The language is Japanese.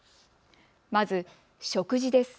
まず食事です。